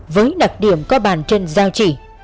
với đặc điểm có bàn chân dao chỉ